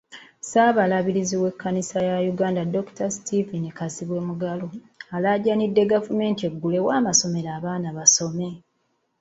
Ssaabalabirizi w’ekkanisa ya Uganda Dr.Steven Kazimba Mugalu, alaajanidde gavumenti eggulewo amasomero abaana basome.